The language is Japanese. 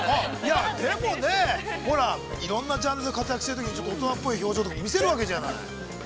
◆でもね、いろんなジャンルで活躍してるときにちょっと大人っぽい表情とか見せるわけじゃない。